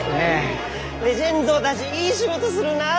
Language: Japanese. レジェンドだぢいい仕事するなあ！